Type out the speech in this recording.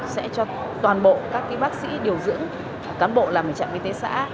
sẽ cho toàn bộ các bác sĩ điều dưỡng cán bộ làm trạm y tế xã